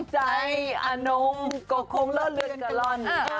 ใจอนงก็คงละเลือนกะล่อน